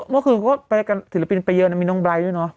เมื่อคืนเขาก็ไปกันศิลปินไปเยอะนะมีน้องไลท์ด้วยเนาะ